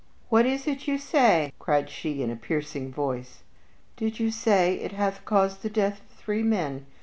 "What is it you say?" cried she, in a piercing voice. "Did you say it hath caused the death of three men?